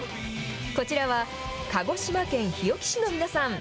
こちらは、鹿児島県日置市の皆さん。